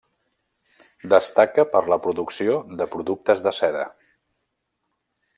Destaca per la producció de productes de seda.